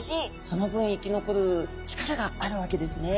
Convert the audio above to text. その分生き残る力があるわけですね。